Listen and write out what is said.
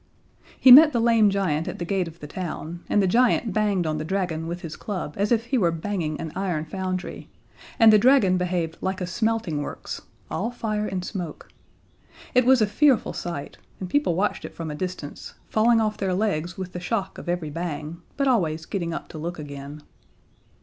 He met the lame giant at the gate of the town, and the giant banged on the dragon with his club as if he were banging an iron foundry, and the dragon behaved like a smelting works all fire and smoke. It was a fearful sight, and people watched it from a distance, falling off their legs with the shock of every bang, but always getting up to look again.